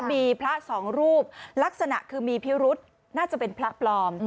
มีพระสองรูปลักษณะคือมีพิรุษน่าจะเป็นพระปลอม